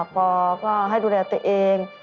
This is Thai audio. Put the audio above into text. พอก็ให้ดูแลตัวเอง